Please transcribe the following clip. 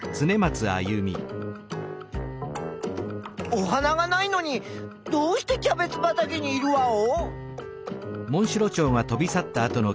お花がないのにどうしてキャベツばたけにいるワオ？